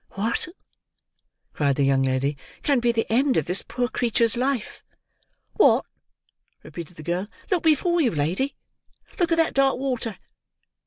"What," cried the young lady, "can be the end of this poor creature's life!" "What!" repeated the girl. "Look before you, lady. Look at that dark water.